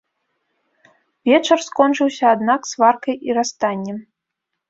Вечар скончыўся, аднак, сваркай і расстаннем.